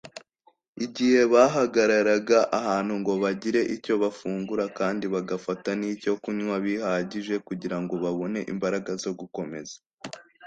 igihe bahagararaga ahantu ngo bagire icyo bafungura kandi bagafata nicyo kunywa gihagije kugira ngo babone imbaraga zo gukomeza.